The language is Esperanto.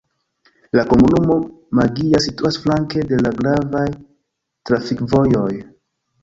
La komunumo Maggia situas flanke de la gravaj trafikvojoj.